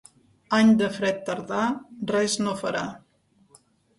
Any de fred tardà, res no farà.